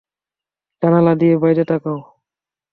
জানালা দিয়ে বাইরে তাকাও।